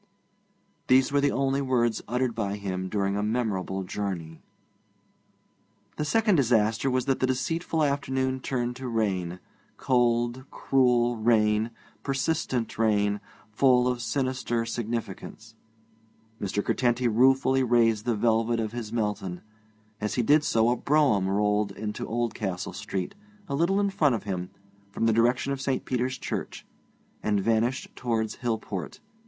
These were the only words uttered by him during a memorable journey. The second disaster was that the deceitful afternoon turned to rain cold, cruel rain, persistent rain, full of sinister significance. Mr. Curtenty ruefully raised the velvet of his Melton. As he did so a brougham rolled into Oldcastle Street, a little in front of him, from the direction of St. Peter's Church, and vanished towards Hillport.